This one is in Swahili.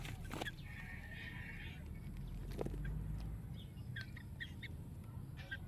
Kila mwanachama alikuwa na dakika thelathini za kumhoji Jackson